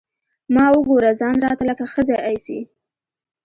ما وګوره ځان راته لکه ښځه ايسي.